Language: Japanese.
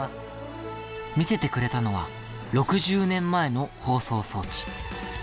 見せてくれたのは６０年前の放送装置。